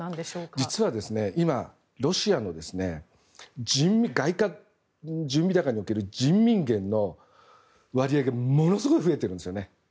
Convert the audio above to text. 実は今ロシアの外貨高における人民元の割合がものすごい増えてるんですよね。